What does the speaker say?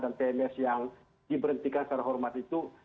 dan tms yang diberhentikan secara hormat itu